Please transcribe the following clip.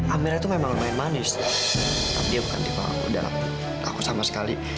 amirah itu memang lumayan manis tapi dia bukan tipe aku dan aku sama sekali